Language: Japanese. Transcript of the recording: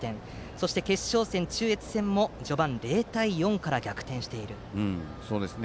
そして、決勝戦の中越戦も序盤、０対４から逆転しています。